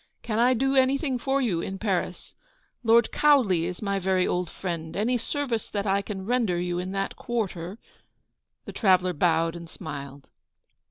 Can I do anything for you in Paris ? Lord Cowley is my very old friend ; any service that I can render you in that quarter — I —" The traveller bowed and smiled.